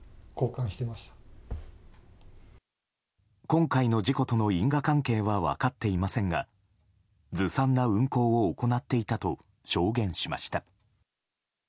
今回の事故との因果関係は分かっていませんがずさんな運航を行っていたと証言しました。